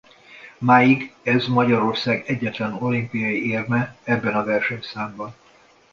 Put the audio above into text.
Máig ez Magyarország egyetlen olimpiai érme ebben a versenyszámban.